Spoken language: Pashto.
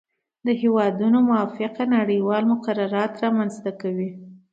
د هیوادونو موافقه نړیوال مقررات رامنځته کوي